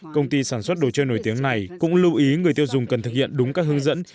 công ty sản xuất đồ chơi nổi tiếng này cũng lưu ý người tiêu dùng cần thực hiện đúng các hướng dẫn